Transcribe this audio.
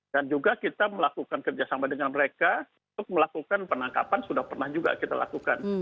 dan juga kita melakukan kerjasama dengan mereka untuk melakukan penangkapan sudah pernah juga kita lakukan